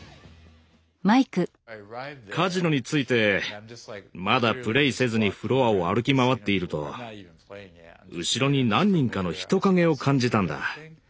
カジノに着いてまだプレイせずにフロアを歩き回っていると後ろに何人かの人影を感じたんだ。